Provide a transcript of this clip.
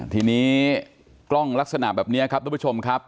ทีนี้กล้องลักษณะแบบนี้ครับทุกผู้ชมครับ